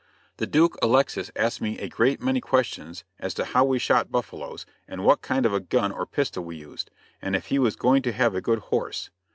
The Duke Alexis asked me a great many questions as to how we shot buffaloes, and what kind of a gun or pistol we used, and if he was going to have a good horse.